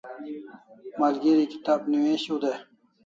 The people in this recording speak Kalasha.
Malgeri kitab newishiu dai